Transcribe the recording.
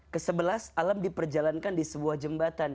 kesebelas alam diperjalankan di sebuah jembatan